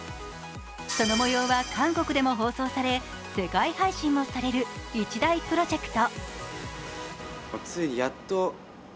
その模様は韓国でも放送され世界配信もされる一大プロジェクト。